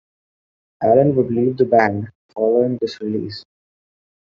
Allen would leave the band following this release.